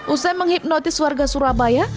usai menghipnotis warga surabaya